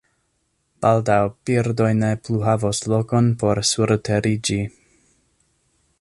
Baldaŭ, birdoj ne plu havos lokon por surteriĝi.